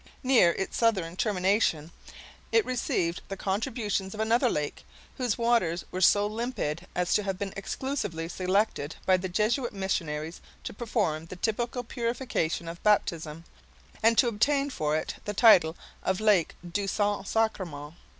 Near its southern termination, it received the contributions of another lake, whose waters were so limpid as to have been exclusively selected by the Jesuit missionaries to perform the typical purification of baptism, and to obtain for it the title of lake "du Saint Sacrément."